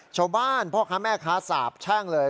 ชาวบ้านพ่อค้าแม่ค้าสาบแช่งเลย